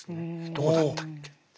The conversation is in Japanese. どうだったっけって。